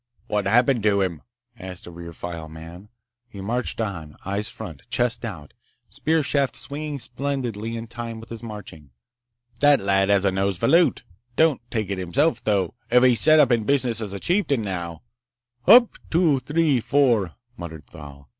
"What happened to him?" asked a rear file man. He marched on, eyes front, chest out, spear shaft swinging splendidly in time with his marching. "That lad has a nose for loot! Don't take it himself, though. If he set up in business as a chieftain, now—" "Hup, two, three, four," muttered Thal.